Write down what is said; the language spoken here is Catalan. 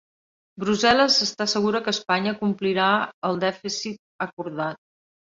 Brussel·les està segura que Espanya complirà el dèficit acordat